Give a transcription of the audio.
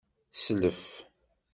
Slef.